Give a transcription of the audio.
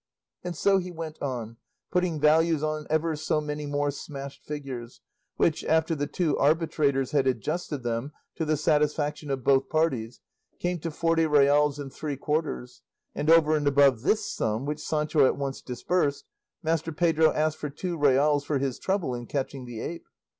And so he went on, putting values on ever so many more smashed figures, which, after the two arbitrators had adjusted them to the satisfaction of both parties, came to forty reals and three quarters; and over and above this sum, which Sancho at once disbursed, Master Pedro asked for two reals for his trouble in catching the ape.